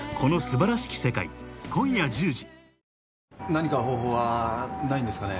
何か方法はないんですかね？